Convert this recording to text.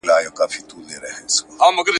د اولس برخه یې ځانځاني سي !.